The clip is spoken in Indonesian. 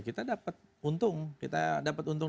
kita dapat untung